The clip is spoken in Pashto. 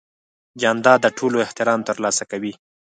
جانداد د ټولو احترام ترلاسه کوي.